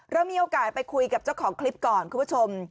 เรามีโอกาสไปคุยกับเจ้าของคลิปก่อนคุณผู้ชม